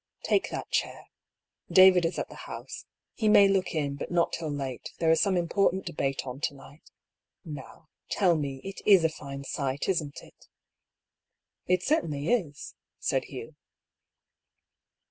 Take that chair. David is at the House. He may look in, but not till late ; there is some important debate on to night Now, tell me, it is a fine sight, isn't it ?"" It certainly is," said Hugh.